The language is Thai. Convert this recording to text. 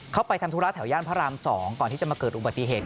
เขาไปทำธุระแถวย่านพระราม๒ก่อนที่จะมาเกิดอุบัติเหตุ